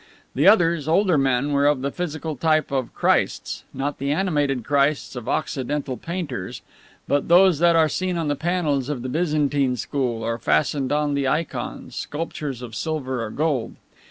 The others, older men, were of the physical type of Christs, not the animated Christs of Occidental painters, but those that are seen on the panels of the Byzantine school or fastened on the ikons, sculptures of silver or gold.